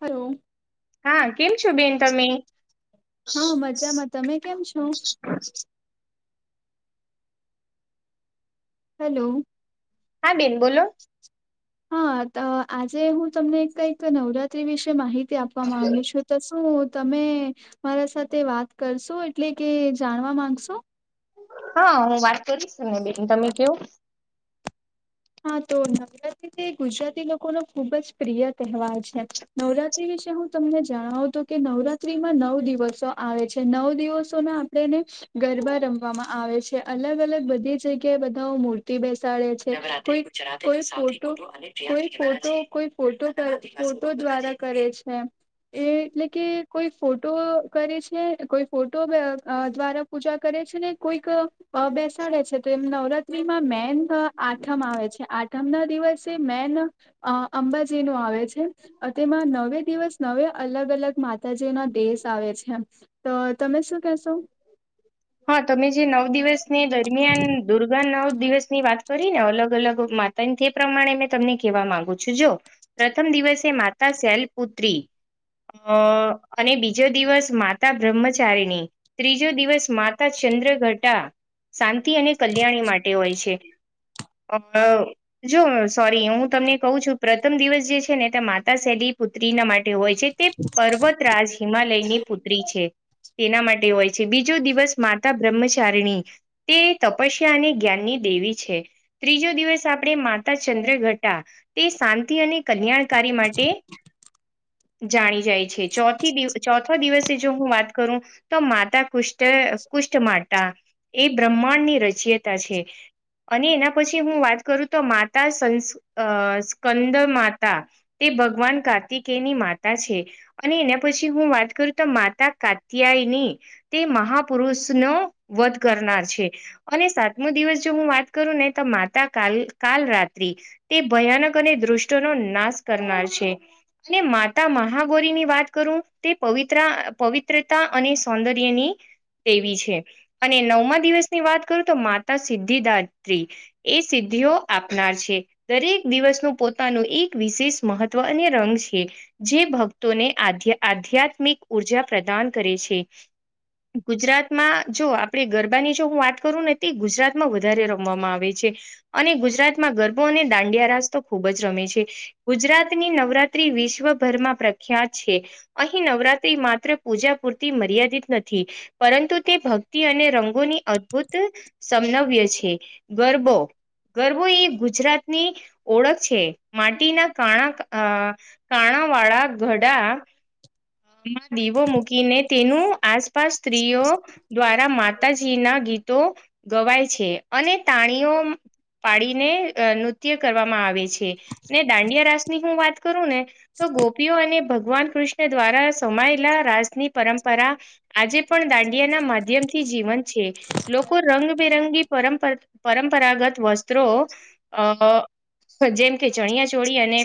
Hello. હા કેમ છો બેન તમે? હા મજામાં તમે કેમ છો? હેલો. હા બેન બોલો. હા આજે હું તમને કંઈક નવરાત્રી વિશે માહિતી આપવા માંગુ છું. તો શું તમે, મારા સાથે વાત કરશો એટલે કે જાણવા માંગશો? હા હું વાત કરીશ ને બેન તમે કેવો. હા તો નવરાત્રી તે ગુજરાતી લોકો નો ખુબ જ પ્રિય તહેવાર છે, નવરાત વિશે હું તમને જણાવતો કે નવરાત્રીમાં નવ દિવસો આવે છે નવ દિવસો આપણે એને ગરબા રમવામાં આવે છે, અલગ અલગ બધી જગ્યાએ બધાઓ મૂર્તિ બેસાડે છે. કોઈ કોઈ તો કોઈ ફોટો કોઈ ફોટો ફોટો દ્વારા કરે છે. એ એટલે કે કોઈ ફોટો કરે છે કોઈ ફોટો દ્વારા પૂજા કરે છે ને કોઈક અ બેસાડે છે તો એમ નવરાત્રીમાં મેન આઠ આઠમ આવે છે આઠમ ના દિવસે મેન અ અંબાજી નું આવે છે, તેમાં નવે દિવસ નવે અલગ અલગ મા જે ના દેશ આવે છે, તો તમે શું કેશો? હા તમે જે નવ દિવસની દરમિયાન દુર્ગા નવ દિવસ ની વાત કરીને અલગ અલગ માતા તે પ્રમાણે મેં તમને કહેવા માંગુ છું જો. પ્રથમ દિવસે માતા સેલ પુત્રી. અ અને બીજો દિવસ માતા બ્રહ્મચારીની. ત્રીજો દિવસ માતા ચંદ્ર ઘટા, શાંતિ અને કલ્યાણી માટે હોય છે. [unintelligible] જો સોરી હું તમને કહઉ છું પ્રથમ દિવસ જે છે ને તે માતા સેલી પુત્રીના માટે. હોય છે તે પર્વતરાજ હિમાલયની પુત્રી છે, તેના માટે હોય છે, બીજો દિવસ માતા બ્રહ્મચારીણી. તે તપસ્યા અને જ્ઞાનની દેવી છે. ત્રીજો દિવસ આપણે માતા ચંદ્ર ઘટા, તે શાંતિ અને કલ્યાણ કારી માટે જાણી જાય છે, ચોથી ચોથા દિવસે જો હું વાત કરું. તો માતા કુષ્ટ કુષ્ટ માતા, એ બ્રહ્માંડ ની રચયીતા છે. અને એના પછી હું વાત કરું તો માતા સં સ્કંદ માતા. તે ભગવાન કાર્તિકેની માતા છે. અને એના પછી હું વાત કરું તો માતા કાત્યાય યની તે મહાપુરુષ નો વધ કરનાર છે. અને સાતમો દિવસ જો હું વાત કરું ને તો માતા કાલ કાલ રાત્રિ. તે ભયાનક અને દૃષ્ટનો નાશ કરનાર છે. અને માતા મહાગૌરી ની વાત કરું તે પવિત્રા પવિત્રતા અને સૌંદર્યની દેવી છે. અને નવમા દિવસ ની વાત કરું તો માતા સિદ્ધિદાત્રી. એ સિદ્ધિઓ આપનાર છે. દરેક દિવસનો પોતાનો એક વિશેષ મહત્વ અને રંગ છે. જે ભક્તોને આધ્યા આધ્યાત્મિક ઉર્જા પ્રદાન કરે છે. ગુજરાતમાં જો આપણે ગરબાની જો હું વાત કરું ને તે ગુજરાતમાં વધારે રમવામાં આવે છે. અને ગુજરાતમાં ગરબો અને દાંડિયા રાસ તો ખૂબ જ રમે છે. ગુજરાતની નવરાત્રી વિશ્વભરમાં પ્રખ્યાત છે. અહીં નવરાત્રી માત્ર પૂજા પૂરતી મર્યાદિત નથી પરંતુ તે ભક્તિ અને રંગોની અદભુત સમનવ્ય છે. ગરબો, ગરબો એ ગુજરાતની ઓળખ છે. માટીના કાણા અ કાણા વાળા ઘડામાં દીવો મૂકી ને તેનું આસપાસ સ્ત્રીઓ દ્વાર રા માતાજી ના ગીતો ગવાય છે અને તાણીઓ પાડીને નૃત્ય કરવામાં આવે છે ને દાંડિયા રાસ ની હું વાત કરું ને તો ગોપીઓ અને ભગવાન કૃષ્ણ દ્વારા સમાયેલા રાજની પરંપરા આજે પણ દાંડિયા ના માધ્યમ થી જીવન છે લોકો રંગબેરંગી પરંપ પરંપરાગત વસ્ત્રો અ જેમ કે ચણિયા ચોળી અને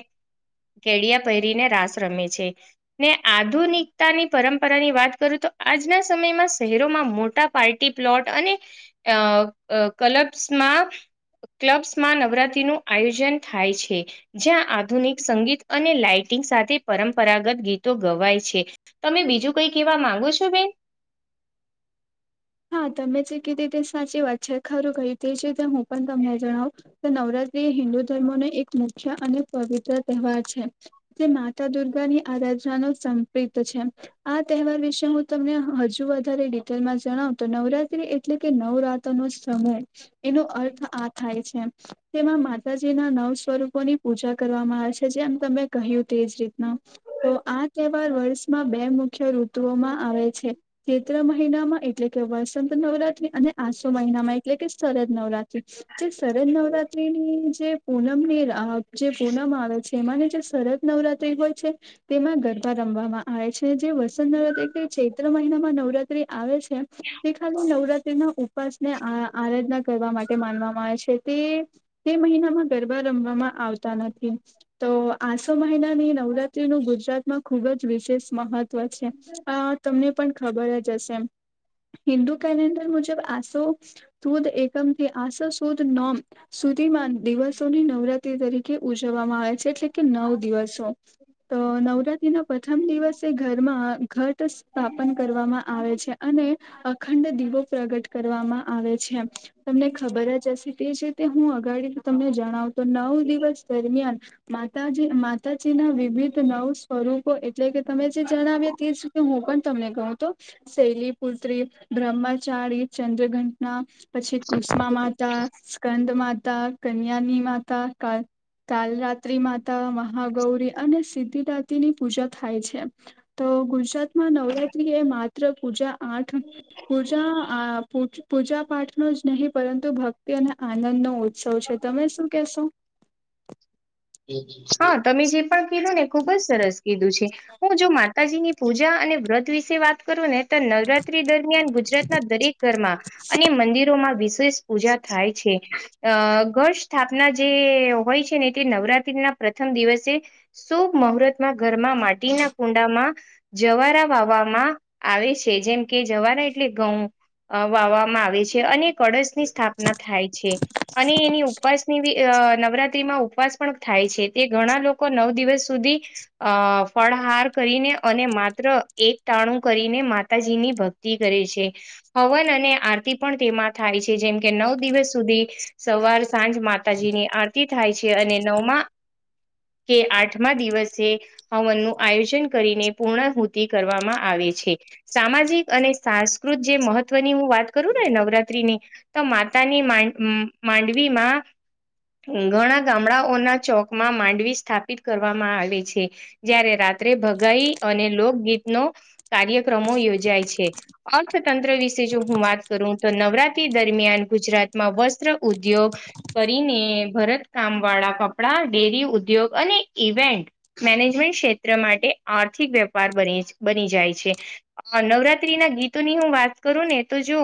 કેડિયા પહેરીને રાસ રમે છે ને આધુનિકતાની પરંપરા ની વાત કરું તો આજના સમયમાં શહેરોમાં મોટા પાર્ટી પ્લોટ અને અ કલબ્સ માં ક્લબ્સમાં નવરાત્રી નું આયોજન થાય છે જ્યાં આધુનિક સંગીત અને લાાઈટિંગ સાથે પરંપરાગત ગીતો ગવાય છે તમે બીજું કઈ કેવા માંગો છો બેન હા તમે જે ક રીતે સાચી વાત છે ખરું કયું તે છેતે હું પણ તમને જણાવ નવરાત્રી એ હિન્દુ ધર્મો ન એક મુખ્ય અને પવિત્ર તહેવાર છે જે માતા દુર્ગા ની આરાધના ન સંપત છે આ તહેવાર વિશે હું તમને હજુ વધારે ડિટેલમાં જણાવ તો નવરાત્રી એટલે કે નવરાત્ર નો સમય એનો અર્થ આ થાય છે તેમાં માતાજીના નવ સ્વરૂપોની પૂજા કરવામાં આવે છે જેમ તમે કહ્યું તેજ રીતના તો આ તહેવાર વર્ષમાં બે મુખ્ય ઋતુઓમાં આવે છે ચત્ર મહિનામાં એટલે કે વસંત નવરાત્રી અને આસો મહિનામાં એટલે કે સરદ નવરાત્રી જે શરદ નવરાત્રીની જે પૂનમ ની જે પૂનમ આવે છે એમાંની જે સરરદ નવરાત્રી હોય છે તેમાં ગરબા રમવામાં આવે છે જે વસંત નવરાત્રી ચૈત્ર મહિનામાં નવરાત્રી આવે છે તે ખાલી નવરાત્રી ના ઉપસને આ આરાધના કરવા માટે માનવામાં આવે છે તે તે મહિનામાં ગરબા રમવામાં આવતા નથી તો આસો મહિનાની નવરાત્રી નું ગુજરાતમાં ખુબ જ વિશેષ મહત્વ છે આ તમને પણ ખબર જ હશે એમ હિન્દુ કેલેન્ડર મુજબ આસો સુદ એકમથી આસો સુદ નોમ સુધીમાં દિવસોની નવરાત્રી તરીકે ઉજવવામાં આવે છે એટલે કે નવ દિવસો તો નવરાત્રી ના પ્રથમ દિવસે ઘરમાં ઘટ સ્થાપન કરવામાં આવે છે અને અખંડ દીવો પ્રગટ કરવામાં આવે છે તમને ખબર જ હશે તે છે તે હું ગાડી તો તમને જણાવ તો નવ દિવસ દરમિયાન માતાજી માતાજી ના વિવિધ નવ સ્વરૂપો એટલે કે તમે જે જણાવ્યા તે હું પણ તમને કહું તો શૈલી પુત્રી બ્રહ્મચારી ચંદ્ર ઘંટના પછી કુષ્મા માતા સ્કંદ માતા કન્યાની માતા કાલ રાત્રિ માતા મહાગૌરી અને સિદ્ધિદાતીની પૂજા થાય છે તો ગુજરાતમાં નવરાત્રી એ માત્ર પૂજા આઠ પૂજા પ પૂજા પાઠનો જ નહીં પરંતુ ભક્તિ અને આનંદ નો ઉત્સવ છે તમે શું કેશો હા તમે જે પણ કીધું ને ખુબ જ સરસ કીધું છે હું જો માતાજીની પૂજા અને વ્રત વિશે વાત કરું ને નવરાત્રી દરમિયાન ગુજરાતના દરેક ઘરમાં અને મંદિરો માં વિશેષ પૂજા થાય છે અ ગઢ સ્થાપના જે હોય છે ને તે નવરાત્રી ના પ્રથમ દિવસે શુભ મુહૂર્તમાં ઘરમાં માટીના કુંડામાં જવારા વાવામાં આવે છે જેમ કે જવારા એટલે ઘઉં અ વાવવામાં આવે છે અને કળશ ની સ્થાપના થાય છે અને એની ઉપવાસની અ નવરાત્રીમાં ઉપાસ પણ થાય છે તે ઘણા લોકો નવ દિવસ સુધી અ ફળહાર કરીને અને માત્ર એક ટાણું કરીને માતાજીની ભક્તિ આતી કરે છે હવન અને આરતી પણ તેમાં થાય છે જેમ કે નવ દિવસ સુધી સવાર સાંજ માતાજીની આરતી થાય છે, અને નવમાં કે આઠમા દિવસે હવનનું આયોજન કરીને પૂર્ણાહુતિ કરવામાં આવે છે. સામાજિક અને સાંસ્કૃત જે મહત્વની હું વાત કરું ને નવરાત્રીની તો માતાની મ માંડવીમાં ઘણા ગામડાઓના ચોક માં માંડવી સ્થાપિત કરવામાં આવે છે. જયારે રાત્રે ભગાઈ અને લોકગીતનો કાર્યક્રમો યોજાય છે. અર્થતંત્ર વિશે જો હું વાત કરું તો નવરાત્રી દરમિયાન ગુજરાતમાં વસ્ત્ર ઉદ્યોગ કરીને ભરતકામ વાળા કપડા ડેરી ઉદ્યોગ અને ઇવેન્ટ મેનેજમેન્ટ ક્ષેત્ર માટે આર્થિક વેપાર બની જાય છે. અ નવરાત્રી ના ગીતોની હું વાત કરું ને તો જો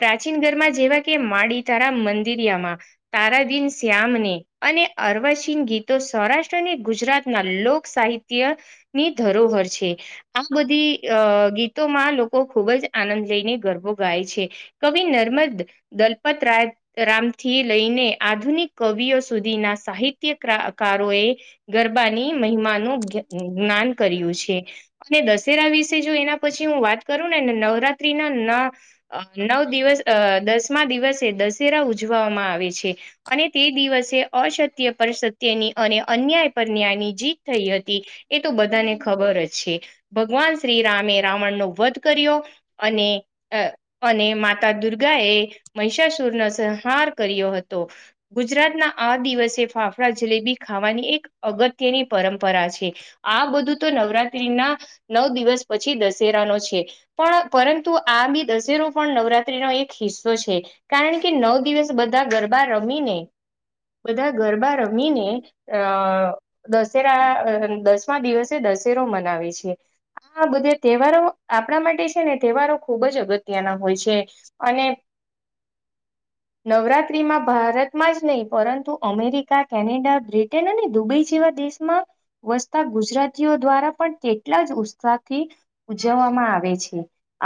પ્રાચીન ઘરમાં જેવા કે માડી તારા મંદિરિયામાં તારા દિન શ્યામને અને અર્વાચીન ગીતો સૌરાષ્ટ્ર અને ગુજરાતના લોક સાહિત્ય ની ધરોહર છે. આ બધી અ ગીતોમાં લોકો ખૂબ જ આનંદ લઈને ગરબો ગાય છે. કવિ નર્મદ દલપત રાઈ રામથી લઈને આધુનિક કવિઓ સુધીના સાહિત્યકારોએ ગરબાની મહિમાનું જ્ઞાન કર્યું છે, અને દશેરા વિશે જો એના પછી હું વાત કરું ને ને નવરાત્રી ન અ નવ દિવસ અ દસમા દિવસે દશેરા ઉજવવામાં આવે છે. અને તે દિવસે અસત્ય પર સત્યની અને અન્યાય પર ન્યાયની જીત થઈ હતી એ તો બધાને ખબર જ છે, ભગવાન શ્રી રામે રાવણનો વધ કર્યો. અને અને માતા દુર્ગા એ મહીષાસુરનો સંહાર કર્યો હતો. ગુજરાતના આ દિવસે ફાફડા જલેબી ખાવાની એક અગત્યની પરંપરા છે. આ બધું તો નવરાત્રી ના નવ દિવસ પછી દશેરાનો છે. પણ પરંતુ આ બી દશેરો પણ નવરાત્રીનો એક હિસ્સો છે. કારણ કે, નવ દિવસ બધા ગરબા રમીને બધા ગરબા રમીને અ દશેરા દસમા દિવસે દશેરો મનાવે છે. આ બધે તહેવારો આપણા માટે છેને તહેવારો ખુબ જ અગત્યના હોય છે. અને નવરાત્રીમાં ભારતમાં જ નહી પરંતુ અમેરિકા કેનેડા બ્રિટન અને દુબઈ જેવા દેશમાં વસતા ગુજરાતીઓ દ્વારા પણ કેટલા જ ઉત્સાહથી ઉજવવામાં આવે છે,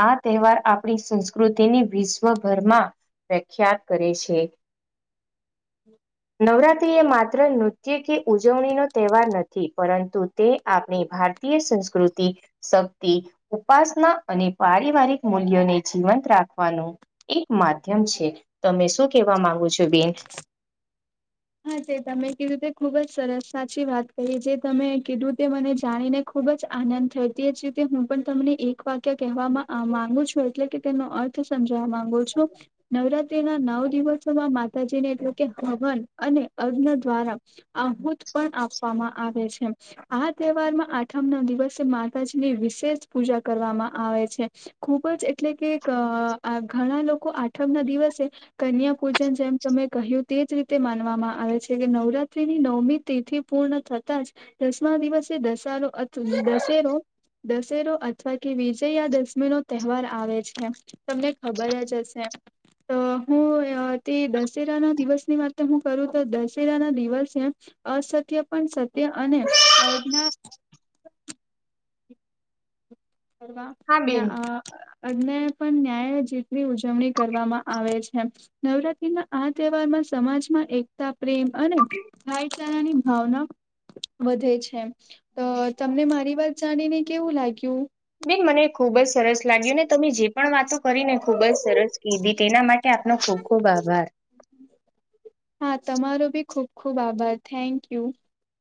આ તહેવાર આપણી સંસ્કૃતિને વિશ્વભરમાં પ્રખ્યાત કરે છે. હું. નવરાતિ એ માત્ર નૃત્ય કે ઉજવણીનો તહેવાર નથી, પરંતુ તે આપણી ભારતી ત્ય સંસ્કૃતિ શક્તિ ઉપાસના અને પારિવારિક મૂલ્યોને જીવંત રાખવાનું એક માધ્યમ છે, તમે શું કેવા માંગુ છો, બેન? હા જે તમે કીધું તે ખુબ જ સરસ સાચી વાત કરીએ જે તમે કીધું તે મને જાણીને ખુબ જ આનંદ થયો, તે જ રીતે હું પણ તમને એક વાક્ય કહેવાય માંગુ છું, એટલે કે તેનો અર્થ સમજવા માંગુ છું, નવરાત્રી તેના નવ દિવસોમાં માતાજીને એટલે કે હવન અને અગ્ન દ્વારા આહુત પણ આપવામાં આવે છે. આ તહેવારમાં આઠમ ના દિવસે માતાજીની વિશેષ પૂજા કરવામાં આવે છે. ખુબ જ એટલે કે ધ ઘણા લોકો આઠમ ના દિવસે કન્યા પૂજન જેમ તમે કહ્યું તે જ રીતે તે માનવામાં આવે છે કે નવરાત્રીની નવમી તિથિ પૂર્ણ થતાં જ દસમા દિવસે દશારો અથ દશેરો દશેરો અથવા કે વિજયયા દશમી નો તહેવાર આવે છે. તમને ખબર જ હશે તો હું તે દશેરા ના દિવસની વાત હું કરું તો દશેરા ના દિવસે અસત્ય પણ સત્ય અને [unintelligible] આ [inaudible] [unintelligible] હા બેન અન્યાય પણ ન્યાય જીતની ઉજવણી કરવામાં આવે છે. નવરાત્રી ના આ તહેવાર માં સમાજમાં એકતા પ્રેમ અને ભાઈચારાની ભાવના વધે છે. તો તમને મારી વાત જાણી ને કેવું લાગ્યું. બેન મને ખુબ જ સરસ લાગ્યું ને તમે જે પણ વાતો કરીને ખુબ જ સરસ કીધી તેના માટે આપનો ખૂબ ખૂબ આભાર. હા તમારો ભી ખુબ ખુબ આભાર થેન્ક યુ.